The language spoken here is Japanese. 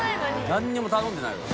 何も頼んでないよ。